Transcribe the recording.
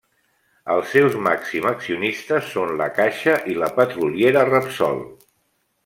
Els seus màxims accionistes són La Caixa i la petroliera Repsol.